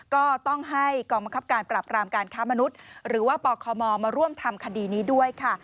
ก็ต้องให้กองบังคับการปรับรามการค้ามนุษย์หรือว่าปคมมาร่วมทำคดีนี้ด้วยค่ะ